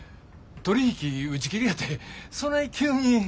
取り引き打ち切りやてそない急に。